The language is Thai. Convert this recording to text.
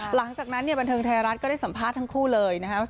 หลังจากนั้นเนี่ยบันเทิงไทยรัฐก็ได้สัมภาษณ์ทั้งคู่เลยนะครับ